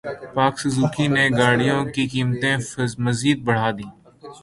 پاک سوزوکی نے گاڑیوں کی قیمتیں فیصد بڑھا دیں